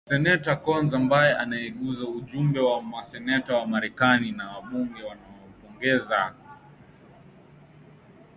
Seneta Coons ambaye anaongoza ujumbe wa Maseneta wa Marekani na wabunge amempongeza